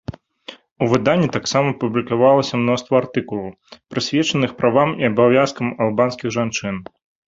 У выданні таксама публікавалася мноства артыкулаў, прысвечаных правам і абавязкам албанскіх жанчын.